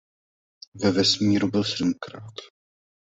Ve vesmíru byl sedmkrát.